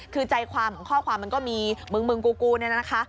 คือใจความข้อความมันก็มีมึงกูแล้วนะคะ